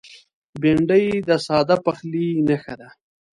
بېنډۍ د ساده پخلي نښه ده